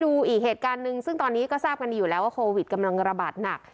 ดูอีกเหตุการณ์หนึ่งซึ่งตอนนี้ก็ทราบกันดีอยู่แล้วว่าโควิดกำลังระบาดหนัก